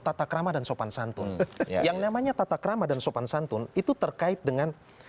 tata krama dan sopan santun yang namanya tata krama dan sopan santun itu terkait dengan